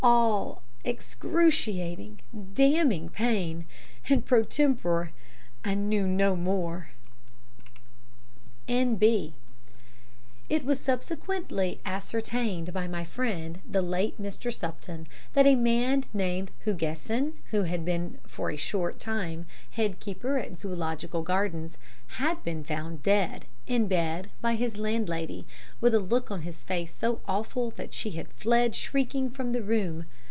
All excruciating, damning pain and pro tempore I knew no more." N.B. It was subsequently ascertained, by my friend the late Mr. Supton, that a man named Hugesson, who had been for a short time head keeper at the Zoological Gardens, had been found dead, in bed, by his landlady, with a look on his face so awful that she had fled shrieking from the room.